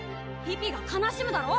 ピピが悲しむだろ！